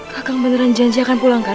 kakang beneran janji akan pulangkan